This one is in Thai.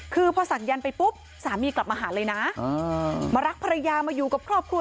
คือพอศักยันต์ไปปุ๊บสามีกลับมาหาเลยนะมารักภรรยามาอยู่กับครอบครัว